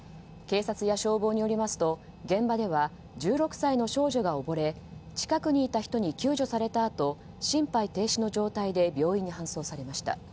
警察や消防によりますと現場では１６歳の少女が溺れ近くにいた人に救助されたあと心肺停止の状態で病院に搬送されました。